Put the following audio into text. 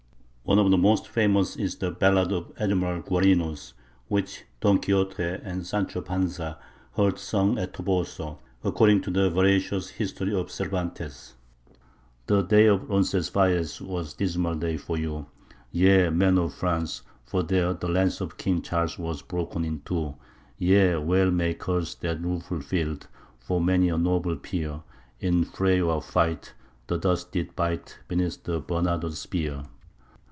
One of the most famous is the ballad of Admiral Guarinos, which Don Quixote and Sancho Panza heard sung at Toboso, according to the veracious history of Cervantes: The day of Roncesvalles was a dismal day for you, Ye men of France, for there the lance of King Charles was broke in two: Ye well may curse that rueful field, for many a noble peer In fray or fight the dust did bite beneath Bernardo's spear.